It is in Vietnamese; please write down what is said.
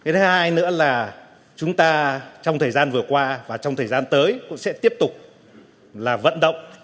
thứ hai nữa là chúng ta trong thời gian vừa qua và trong thời gian tới cũng sẽ tiếp tục là vận động